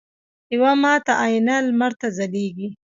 یوه ماته آینه لمر ته ځلیږي